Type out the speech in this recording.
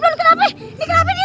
ada di sini